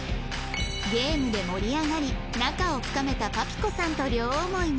ゲームで盛り上がり仲を深めたパピコさんと両思いに